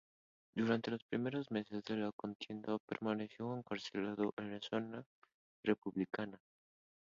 Durante los primeros meses de la contienda permaneció encarcelado en zona republicana.